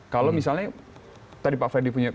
kalau misalnya tadi pak freddy punya